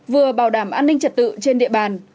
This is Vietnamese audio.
vừa bảo đảm an ninh trật tự trên địa bàn